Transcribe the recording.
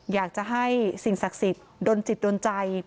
อยากจะให้สิ่งศักดิ์สิทธิ์โดนจิตโดนใจ